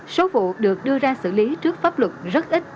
số vụ được đưa ra xử lý trước pháp luật rất ít